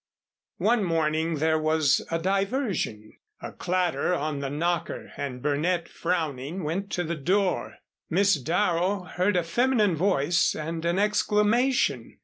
One morning there was a diversion. A clatter on the knocker and Burnett, frowning, went to the door. Miss Darrow heard a feminine voice and an exclamation.